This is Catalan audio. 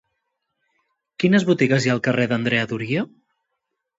Quines botigues hi ha al carrer d'Andrea Doria?